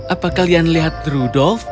apa kalian lihat rudolf